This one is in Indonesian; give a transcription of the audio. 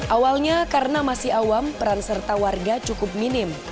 awalnya karena masih awam peran serta warga cukup minim